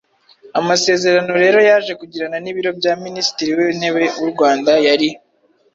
Amasezerano rero yaje kugirana n'ibiro bya minisitiri w'intebe w'u Rwanda yari